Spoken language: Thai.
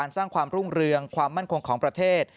สร้างความรุ่งเรืองความมั่นคงของประเทศ